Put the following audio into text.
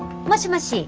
もしもし？